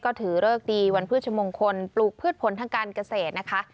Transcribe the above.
ก็ถือเลิกดีวันพฤชมงคลปลูกพืชผลทางการเกษตรนะคะ